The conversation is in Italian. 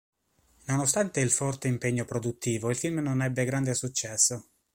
Nonostante il forte impegno produttivo il film non ebbe grande successo.